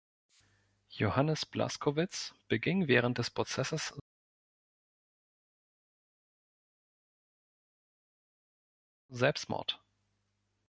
Johannes Blaskowitz beging während des Prozesses Selbstmord.